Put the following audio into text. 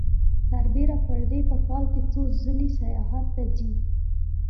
سربېره پر دې په کال کې څو ځلې سیاحت ته ځي